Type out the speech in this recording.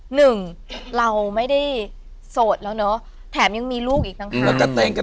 หนึ่งเราไม่ได้โสดแล้วเนอะแถมยังมีลูกอีกต่างหาก